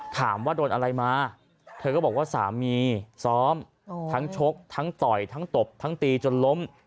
ถามว่าโดนอะไรมาเธอก็บอกว่าสามีซ้อมทั้งชกทั้งต่อยทั้งตบทั้งตีจนล้ม